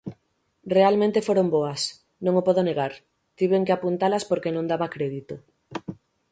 Realmente foron boas, non o podo negar, tiven que apuntalas porque non daba crédito.